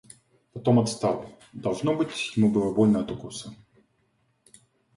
Потом отстал, — должно быть, ему было больно от укуса.